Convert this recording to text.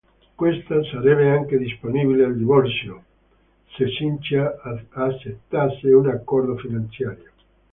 Questa sarebbe anche disponibile al divorzio se Cynthia accettasse un accordo finanziario.